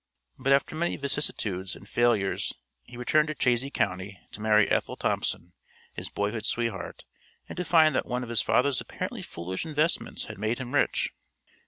But after many vicissitudes and failures he returned to Chazy County to marry Ethel Thompson, his boyhood sweetheart, and to find that one of his father's apparently foolish investments had made him rich.